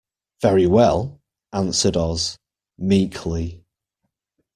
"Very well," answered Oz, meekly.